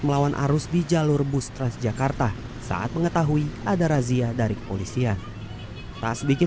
melawan arus di jalur bus transjakarta saat mengetahui ada razia dari kepolisian tak sedikit